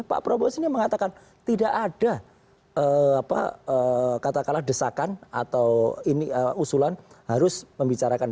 pak prabowo sendiri mengatakan tidak ada katakanlah desakan atau ini usulan harus membicarakan